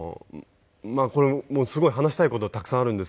すごい話したい事はたくさんあるんですけど。